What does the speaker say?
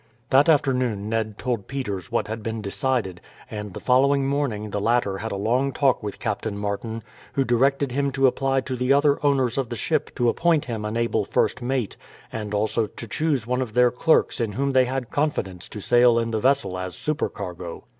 That afternoon Ned told Peters what had been decided, and the following morning the latter had a long talk with Captain Martin, who directed him to apply to the other owners of the ship to appoint him an able first mate, and also to choose one of their clerks in whom they had confidence to sail in the vessel as supercargo.